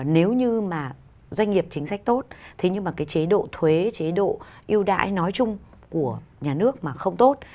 nếu như mà doanh nghiệp chính sách tốt thì nhưng mà cái chế độ thuế chế độ yêu đại nói chung của nhà nước mà không tốt